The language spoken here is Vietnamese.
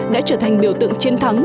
đã trở thành biểu tượng chiến thắng